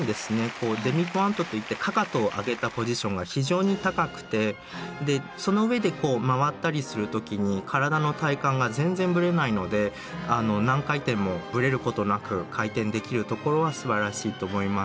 こう「デミポワント」といってかかとを上げたポジションが非常に高くてでそのうえで回ったりする時に体の体幹が全然ぶれないので何回転もぶれることなく回転できるところはすばらしいと思います。